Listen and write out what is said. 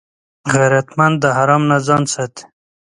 غیرتمند د حرام نه ځان ساتي